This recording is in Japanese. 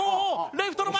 レフトの前！